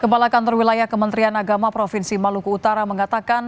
kembalakan terwilayah kementerian agama provinsi maluku utara mengatakan